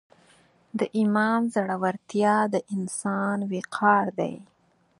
د ایمان زړورتیا د انسان وقار دی.